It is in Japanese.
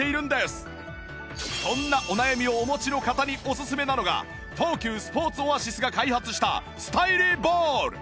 そんなお悩みをお持ちの方におすすめなのが東急スポーツオアシスが開発したスタイリーボール